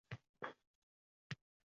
Ikki hafta ichida javobini olasiz.